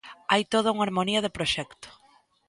Hai toda unha harmonía de proxecto.